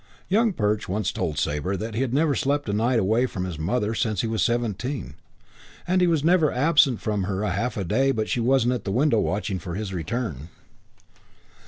Young Perch once told Sabre he had never slept a night away from his mother since he was seventeen, and he was never absent from her half a day but she was at the window watching for his return.